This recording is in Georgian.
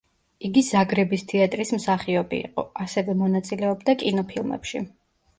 იგი ზაგრების თეატრის მსახიობი იყო, ასევე მონაწილეობდა კინოფილმებში.